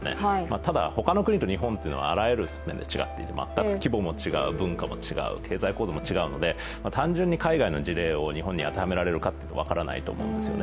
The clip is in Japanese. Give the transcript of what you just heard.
ただ、他の国と日本はあらゆる側面が違っていて、全く規模も違う、文化も違う経済構造も違うので単純に海外の事例を日本に当てはめられるのかというと分からないと思うんですよね、